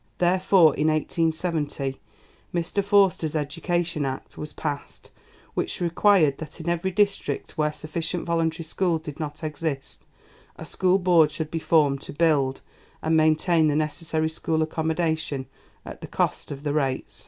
Therefore, in 1870, Mr Forster's Education Act was passed, which required that in every district where sufficient voluntary schools did not exist a School Board should be formed to build and maintain the necessary school accommodation at the cost of the rates.